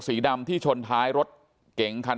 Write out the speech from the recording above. สวัสดีครับทุกคน